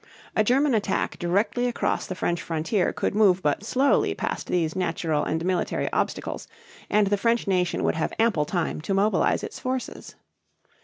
A German attack directly across the French frontier could move but slowly past these natural and military obstacles; and the French nation would have ample time to mobilize its forces.